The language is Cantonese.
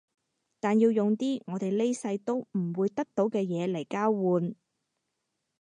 但要用啲我哋呢世都唔會得到嘅嘢嚟交換